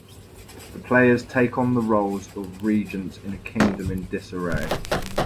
The players take on the roles of regents in a kingdom in disarray.